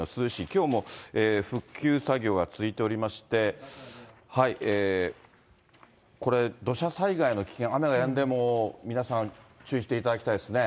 きょうも復旧作業が続いておりまして、これ土砂災害の危険、雨がやんでも、皆さん、注意していただきたいですね。